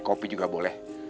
kopi juga boleh